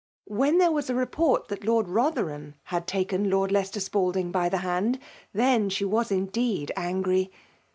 When there was a report that LordBotherham had takoi Lord Leicester Spalding by th^ hand, then she was indeed angry